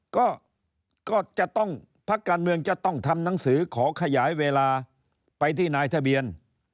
ก็จะต้องพักการเมืองจะต้องทำหนังสือขอขยายเวลาไปที่นายทะเบียน